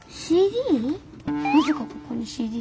なぜかここにＣＤ。